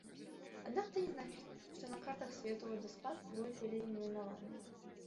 Аднак гэта не значыць, што на картах свету вадаспад будзе перайменаваны.